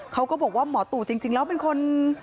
เขาก็บอกว่าหมอตู่จริงแล้วเป็นคน